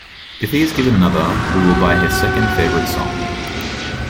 If he is given another, we will buy his second favorite song.